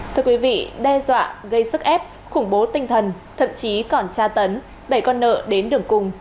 thưa quý vị đe dọa gây sức ép khủng bố tinh thần thậm chí còn tra tấn đẩy con nợ đến đường cùng